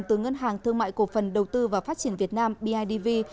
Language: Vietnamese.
từ ngân hàng thương mại cổ phần đầu tư và phát triển việt nam bidv